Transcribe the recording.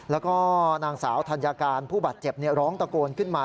แล้วก็นางสาวธัญการผู้บาดเจ็บร้องตะโกนขึ้นมา